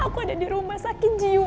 aku ada di rumah sakit jiwa